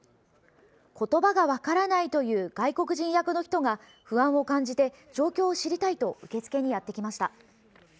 言葉が分からないという外国人役の人が不安を感じて状況を知りたいと受付にやってきました。